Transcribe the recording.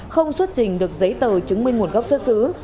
không xuất trình được giấy tờ chứng minh nguồn gốc xuất xứ